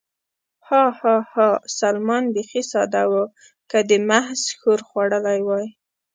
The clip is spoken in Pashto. ها، ها، ها، سلمان بېخي ساده و، که دې محض ښور خوړلی وای.